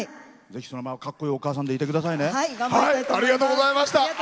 ぜひそのままかっこいいお母さんでいてくださいね。